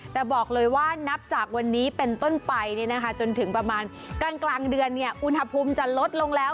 แต่บอกเลยว่านับจากวันนี้เป็นต้นไปจนถึงประมาณกลางเดือนอุณหภูมิจะลดลงแล้ว